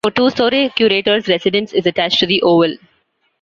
A two-storey curator's residence is attached to the oval.